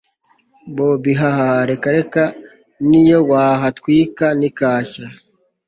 bobi hahaha! reka reka niyo wahatwika ntikashya